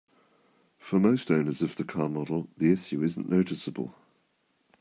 For most owners of the car model, the issue isn't noticeable.